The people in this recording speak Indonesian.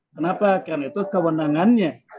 kenapa karena itu kewenangannya